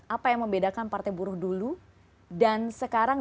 apa yang membedakan partai buruh dulu dan sekarang